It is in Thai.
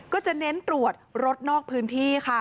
ก็จะเน้นตรวจรถนอกพื้นที่ค่ะ